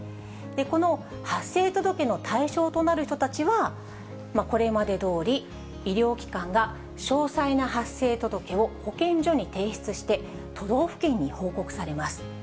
この発生届の対象となる人たちは、これまでどおり、医療機関が詳細な発生届を保健所に提出して、都道府県に報告されます。